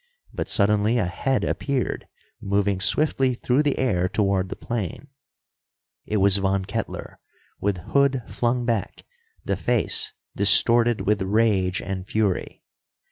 But suddenly a head appeared, moving swiftly through the air toward the plane. It was Von Kettler, with hood flung back, the face distorted with rage and fury.